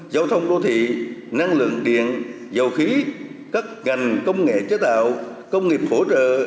giao thông đô thị năng lượng điện dầu khí các ngành công nghệ chế tạo công nghiệp phổ trợ